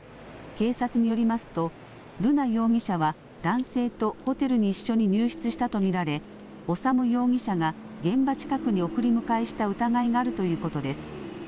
警察によりますと、瑠奈容疑者は男性とホテルに一緒に入室したと見られ、修容疑者が現場近くに送り迎えした疑いがあるということです。